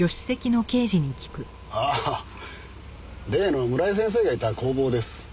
ああ例の村井先生がいた工房です。